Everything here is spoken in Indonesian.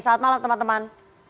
selamat malam teman teman